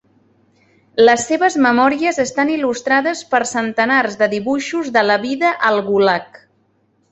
Les seves memòries estan il·lustrades per centenars de dibuixos de la vida al gulag.